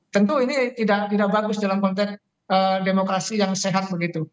tentu ini tidak bagus dalam konteks demokrasi yang sehat begitu